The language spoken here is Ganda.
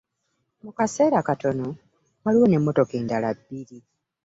Mu kaseera katono, waliwo n'emmotoka endala bbiri